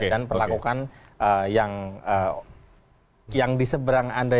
dan perlakukan yang diseberang anda